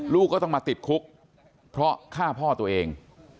ลูกก็ต้องมาติดคุกเพราะฆ่าพ่อตัวเอง